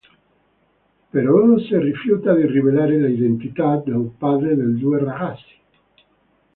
Però si rifiuta di rivelare l'identità del padre dei due ragazzi.